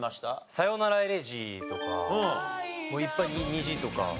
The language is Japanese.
『さよならエレジー』とかいっぱい『虹』とか。